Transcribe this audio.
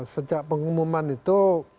sejak pengumuman itu